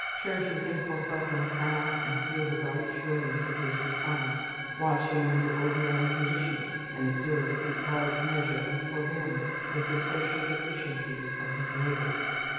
Turn to him for help in a crowd, and feel the bright sureness of his response. Watch him under ordinary conditions, and observe his large measure of forbearance with the social deficiencies of his neighbour.